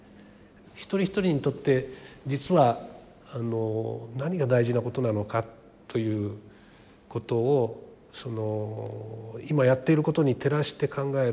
一人一人にとって実は何が大事なことなのかということを今やっていることに照らして考える